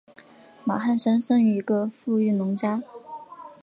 马汉三生于一个富裕农家。